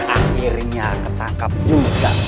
akhirnya ketangkap juga